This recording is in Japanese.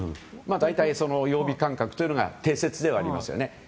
大体、曜日感覚というのが定説ではありますね。